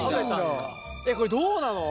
えっこれどうなの？